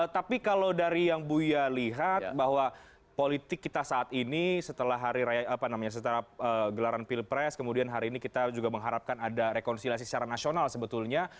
tapi kalau dari yang buya lihat bahwa politik kita saat ini setelah gelaran pilpres kemudian hari ini kita juga mengharapkan ada rekonsiliasi secara nasional sebetulnya